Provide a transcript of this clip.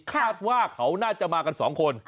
คาดว่าเขาน่าจะมากันสองคน